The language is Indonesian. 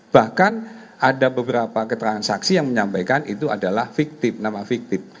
bahkan ada beberapa keterangan saksi yang menyampaikan itu adalah fiktif nama fiktif